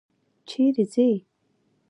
چیري ځې؟